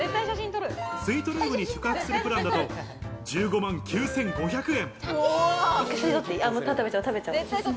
スイートルームに宿泊するプランだと、１５万９５００円。